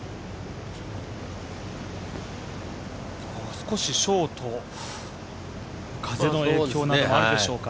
少しショート風の影響もあるでしょうか。